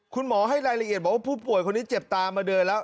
คุณหมอให้รายละเอียดบอกว่าผู้ป่วยคนนี้เจ็บตามาเดินแล้ว